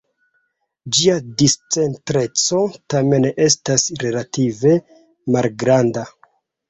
Ĝia discentreco tamen estas relative malgranda.